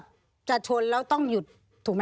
มีความรู้สึกว่ามีความรู้สึกว่า